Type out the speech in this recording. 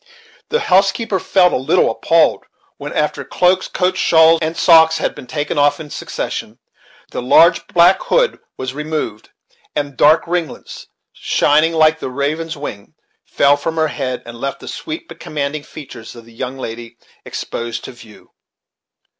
The housekeeper felt a little appalled, when, after cloaks, coats, shawls, and socks had been taken off in succession, the large black hood was removed, and the dark ringlets, shining like the raven's wing, fell from her head, and left the sweet but commanding features of the young lady exposed to view.